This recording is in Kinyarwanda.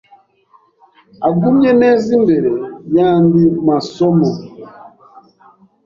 agumye neza imbere yandi masomo.